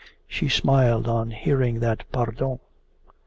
She smiled on hearing that PARDON.